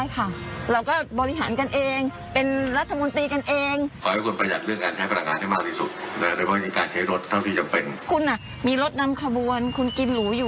จริงแล้วคุณก็ดลองนะครับ